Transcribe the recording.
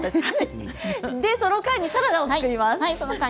その間にサラダを作ります。